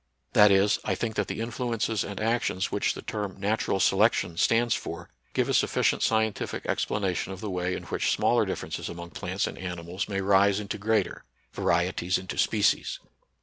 That is, I think that the influences and actions which the term " natural selection " stands for, give a sufficient scientific explanation of the way in which smaller differences among plants and 72 NATURAL SCIENCE AND RELIGION. animals may rise into greater, varieties into species.